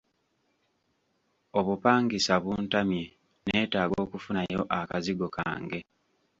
Obupangisa buntamye neetaaga okufunayo akazigo kange.